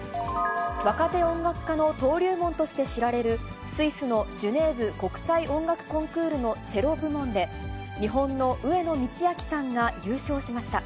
若手音楽家の登竜門として知られる、スイスのジュネーブ国際音楽コンクールのチェロ部門で、日本の上野通明さんが優勝しました。